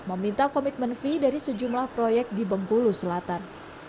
meminta komitmen fee dari sejumlah proyek di bengkulu selatan